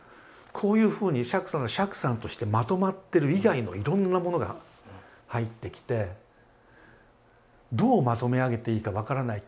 こういうふうに釈さんだったら釈さんとしてまとまってる以外のいろんなものが入ってきてどうまとめ上げていいか分からない。